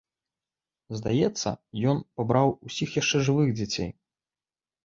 Здаецца, ён пабраў усіх яшчэ жывых дзяцей.